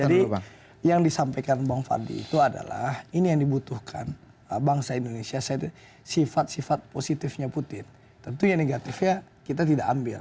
jadi yang disampaikan bang fadli itu adalah ini yang dibutuhkan bangsa indonesia sifat sifat positifnya putin tentunya negatifnya kita tidak ambil